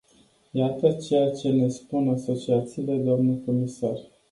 Iată ceea ce ne spun asociațiile, doamnă comisar.